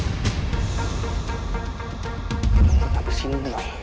gue gak mau ke sini